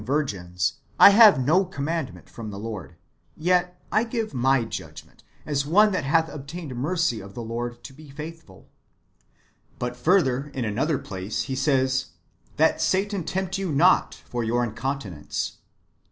421 virgins, I have no commandment from the Lord ; yet I give my judgment, as one that hath obtained mercy of the Lord to be faithfuh" ^ But further, in another place he says :" That Satan tempt you not for your incontinence."